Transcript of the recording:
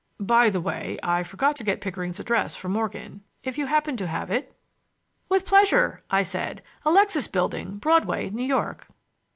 "By the way, I forgot to get Pickering's address from Morgan. If you happen to have it—" "With pleasure," I said. "Alexis Building, Broadway, New York."